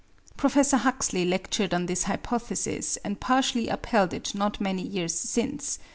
Professor Huxley lectured on this hypothesis and partially upheld it not many years since.